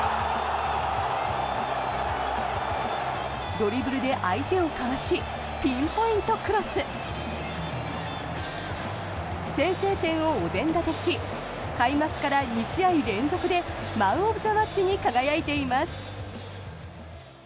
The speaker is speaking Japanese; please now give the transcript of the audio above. ドリブルで相手をかわしピンポイントクロス。先制点をお膳立てし開幕から２試合連続でマン・オブ・ザ・マッチに輝いています。